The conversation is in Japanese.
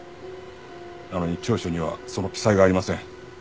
なのに調書にはその記載がありません。